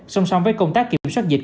song song với công tác kiểm soát dịch